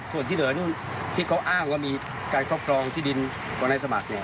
ส่วนที่เหลือนู่นที่เขาอ้างว่ามีการครอบครองที่ดินของนายสมัคร